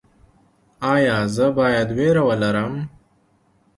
ایا زه باید ویره ولرم؟